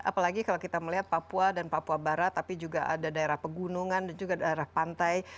apalagi kalau kita melihat papua dan papua barat tapi juga ada daerah pegunungan dan juga daerah pantai